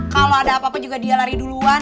kalau ada apa apa juga dia lari duluan